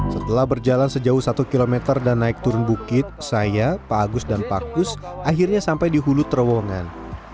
setelah berjalan sejauh satu km dan naik turun bukit saya pak agus dan pak kus akhirnya sampai di hulu terowongan